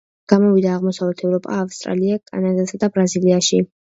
გამოვიდა აღმოსავლეთ ევროპა, ავსტრალია, კანადასა და ბრაზილიაში.